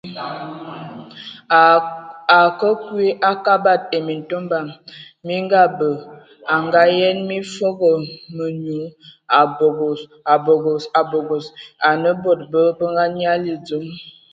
A a akǝ kwi a Kabad ai Mintomba mi ngabǝ, a Ngaayen mi foogo menyu, a bogos, bogos, bogos, anǝ e bod bə anyali dzom.